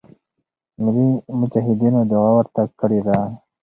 ملی مجاهدینو دعا ورته کړې ده.